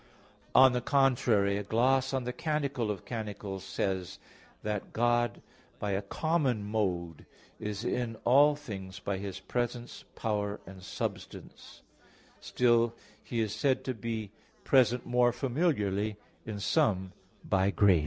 On the contrary, A gloss on the Canticle of Canticles (5) says that, "God by a common mode is in all things by His presence, power and substance; still He is said to be present more familiarly in some by grace."